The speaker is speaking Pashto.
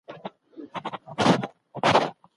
د ماشوم پر شونډو ځگونه راغلي وو.